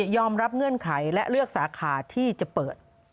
เงื่อนไขและเลือกสาขาที่จะเปิด